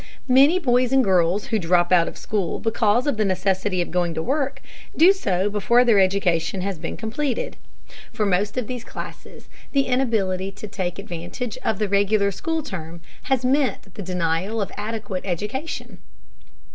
Many boys and girls who drop out of school because of the necessity of going to work, do so before their education has been completed. For most of these classes, the inability to take advantage of the regular school term has meant the denial of adequate education. 319.